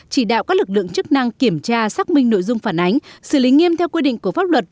chỉ đạo các lực lượng chức năng kiểm tra xác minh nội dung phản ánh xử lý nghiêm theo quy định của pháp luật